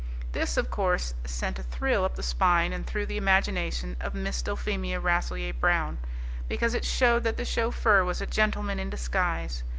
This, of course, sent a thrill up the spine and through the imagination of Miss Dulphemia Rasselyer Brown, because it showed that the chauffeur was a gentleman in disguise.